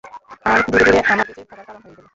আর ধীরেধীরে, আমার বেঁচে থাকার কারণ হয়ে গেলো।